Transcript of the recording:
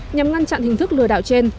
nhằm ngăn chặn hình thức lừa đạo trên